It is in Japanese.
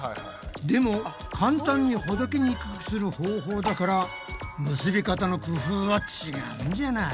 でも簡単にほどけにくくする方法だから結び方の工夫は違うんじゃない？